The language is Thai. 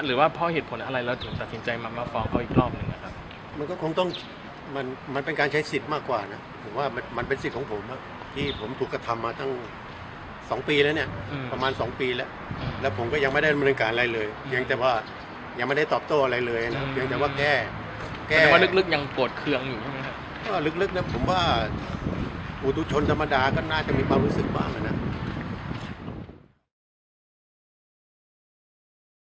แล้วผมก็ยังไม่ได้มนุษย์การอะไรเลยเพียงแต่ว่ายังไม่ได้ตอบโต้อะไรเลยนะเพียงแต่ว่าแก้แก้มันว่านึกยังโปรดเครื่องอยู่นะครับว่าลึกนะผมว่าอูตุชนธรรมดาก็น่าจะมีแปลวิศึกบ้างนะครับ